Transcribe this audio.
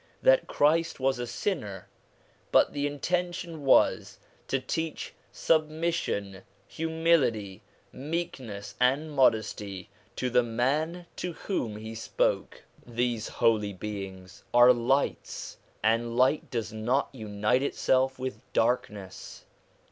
that Christ was a sinner ; but the intention was to teach submission, humility, meekness, and modesty to the man to whom he spoke. These Holy 1 Quran, Sura 48. 196 SOME ANSWERED QUESTIONS Beings are lights, and light does not unite itself with darkness.